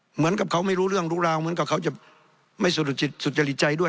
เหมือนกับเขาไม่รู้เรื่องรู้ราวเหมือนกับเขาจะไม่สุจิตสุจริตใจด้วย